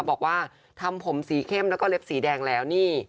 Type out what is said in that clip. บอกว่าทำผมสีเข้มแล้วก็เล็บสีแดงแล้วนี่